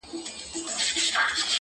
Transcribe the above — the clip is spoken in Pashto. د دغه ښار ښکلي غزلي خیالوري غواړي-